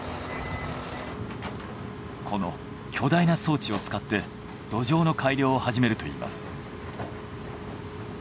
この巨大な装置を使って土壌の改良を始めるといいます。